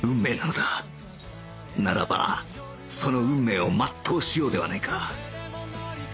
ならばその運命を全うしようではないか